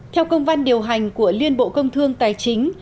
theo công văn điều hành của liên bộ công thương tài chính